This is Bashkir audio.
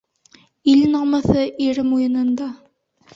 Ил намыҫы ир муйынында.